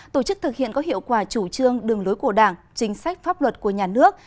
tổ chức thực hiện có hiệu quả chủ trương đường lối của đảng chính sách pháp luật của nhà nước